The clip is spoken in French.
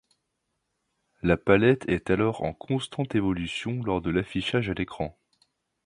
La palette est alors en constante évolution lors de l'affichage à l'écran.